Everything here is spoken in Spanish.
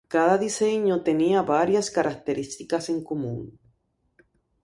Cada diseño tenía varias características en común.